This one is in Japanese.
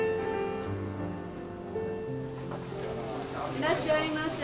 いらっしゃいませ。